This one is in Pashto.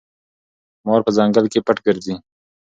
مار په ځنګل کې پټ ګرځي.